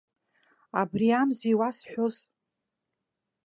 Абри амзи иуасҳәоз.